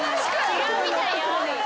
違うみたいよ。